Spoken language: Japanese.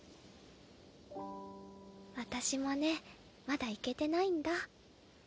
私もねまだ行けてないんだ。